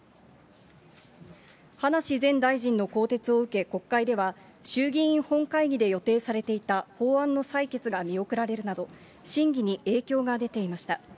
葉梨前大臣の更迭を受け、国会では、衆議院本会議で予定されていた法案の採決が見送られるなど、審議に影響が出ていました。